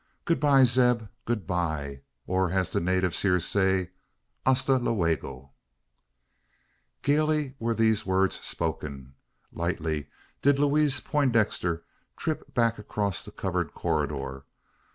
Good bye, Zeb good bye, or, as the natives say here, hasta luego!" Gaily were these words spoken lightly did Louise Poindexter trip back across the covered corridor.